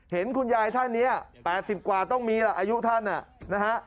เห็นคุณยายท่านนี้๘๐กว่าต้องมีล่ะอายุท่านนะฮะ